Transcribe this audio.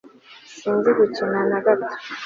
sinzi gukina na gato